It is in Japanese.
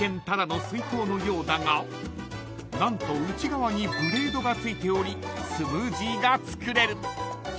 ただの水筒のようだが何と内側にブレードがついておりスムージーが作れる］